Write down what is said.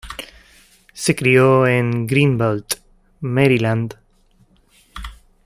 Se crió en Greenbelt, Maryland.